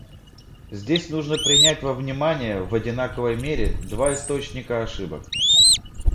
Здесь нужно принять во внимание в одинаковой мере два источника ошибок.